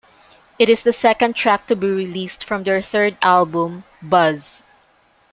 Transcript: It is the second track to be released from their third album "Buzz".